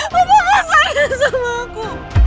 papa kasihin semua aku